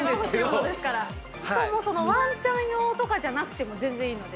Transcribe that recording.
しかもワンちゃん用じゃなくても全然いいので。